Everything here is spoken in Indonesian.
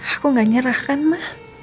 aku gak nyerah kan ma